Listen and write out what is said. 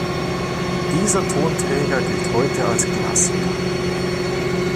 Dieser Tonträger gilt heute als Klassiker.